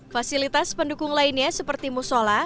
fasilitas pendukung lainnya seperti musola